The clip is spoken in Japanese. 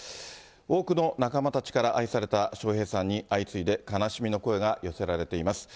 多くの仲間たちから愛された笑瓶さんに、相次いで悲しみの声が寄せられています。